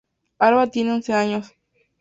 Alba tiene once años.